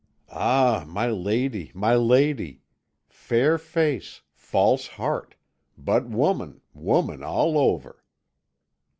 "Ah, my lady, my lady! Fair face, false heart but woman, woman all over!"